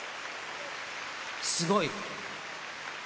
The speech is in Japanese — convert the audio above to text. すごい。